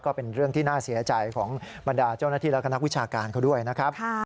ก็เป็นเรื่องที่น่าเสียใจของบรรดาเจ้าหน้าที่และคณะวิชาการเขาด้วยนะครับ